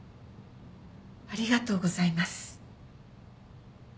ありがとうございます。